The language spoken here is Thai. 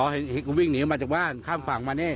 เห็นก็วิ่งหนีออกมาจากบ้านข้ามฝั่งมานี่